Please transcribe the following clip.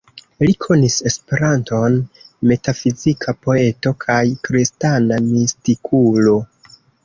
Li konis Esperanton, metafizika poeto kaj kristana mistikulo.